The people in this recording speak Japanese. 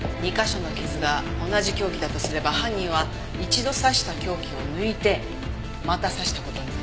２カ所の傷が同じ凶器だとすれば犯人は一度刺した凶器を抜いてまた刺した事に。